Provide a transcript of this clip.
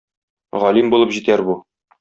Галим булып җитәр бу.